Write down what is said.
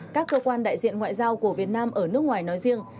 các cơ quan đại diện ngoại giao của việt nam ở nước ngoài nói riêng